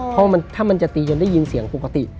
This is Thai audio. เพราะถ้ามันจะตีจนได้ยินเสียงปกติ